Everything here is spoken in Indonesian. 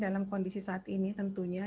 dalam kondisi saat ini tentunya